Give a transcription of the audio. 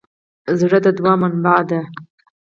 زړه د دوعا منبع ده.